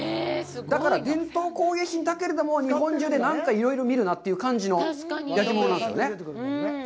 だから、伝統工芸品だけれども、日本中で、なんかいろいろ見るなという感じの焼き物なんですよね。